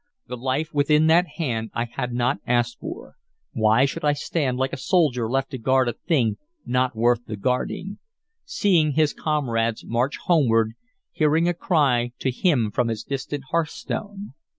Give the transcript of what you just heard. The life within that hand I had not asked for. Why should I stand like a soldier left to guard a thing not worth the guarding; seeing his comrades march homeward, hearing a cry to him from his distant hearthstone?